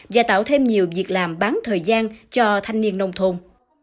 và tạo thêm nhiều việc làm bán thời gian cho thanh niên nông thôn